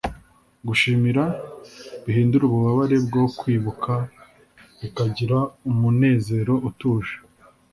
gushimira bihindura ububabare bwo kwibuka bikagira umunezero utuje